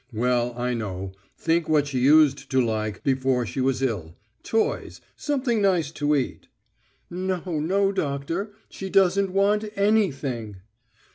"Well, I don't know ... think what she used to like before she was ill. Toys ... something nice to eat...." "No, no, doctor; she doesn't want _anything.